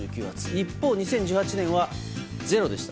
一方、２０１８年はゼロでした。